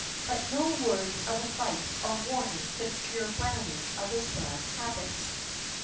But no words of advice or warning could cure Browny of his bad habits.